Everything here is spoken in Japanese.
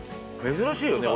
珍しいよね